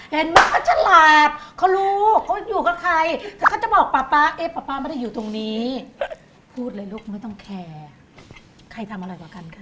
เห็นไหมเขาฉลาดเขาลูกเขาอยู่กับใครแต่เขาจะบอกป๊าป๊าเอ๊ะป๊าป๊าไม่ได้อยู่ตรงนี้พูดเลยลูกไม่ต้องแคร์ใครทำอะไรกว่ากันคะ